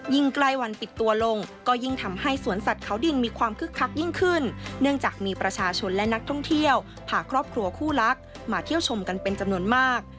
ใกล้วันปิดตัวลงก็ยิ่งทำให้สวนสัตว์เขาดินมีความคึกคักยิ่งขึ้นเนื่องจากมีประชาชนและนักท่องเที่ยวพาครอบครัวคู่รักมาเที่ยวชมกันเป็นจำนวนมาก